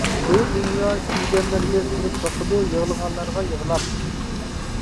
بۇ دۇنيا كۈلگەنلەرگە كۈلۈپ باقىدۇ، يىغلىغانلارغا يىغلاپ.